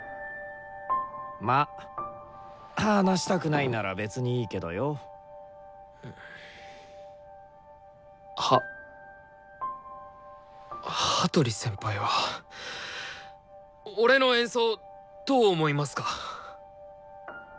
まあ話したくないなら別にいいけどよ。は羽鳥先輩は俺の演奏どう思いますか？